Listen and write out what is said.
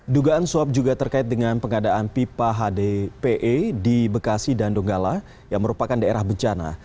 dugaan suap juga terkait dengan pengadaan pipa hdpe di bekasi dan donggala yang merupakan daerah bencana